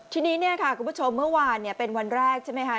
ทีนี้เนี่ยค่ะคุณผู้ชมเมื่อวานเป็นวันแรกใช่ไหมคะ